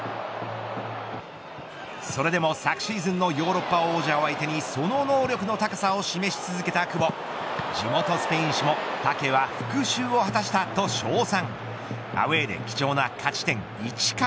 それでも昨シーズンのヨーロッパ王者を相手にその能力の高さを示し続けた久保地元スペイン紙がタケは復讐を果たしたと称賛。